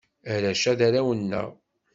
Arrac-a, d arraw-nneɣ.